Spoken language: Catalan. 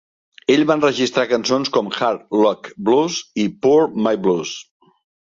Ell va enregistrar cançons com "Hard Luck Blues" i "Poor Me Blues".